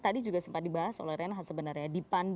tadi juga sempat dibahas oleh reinhardt sebenarnya